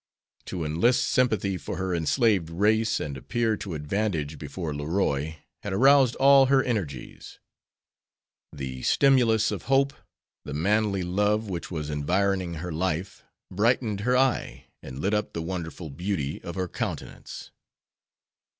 To enlist sympathy for her enslaved race, and appear to advantage before Leroy, had aroused all of her energies. The stimulus of hope, the manly love which was environing her life, brightened her eye and lit up the wonderful beauty of her countenance.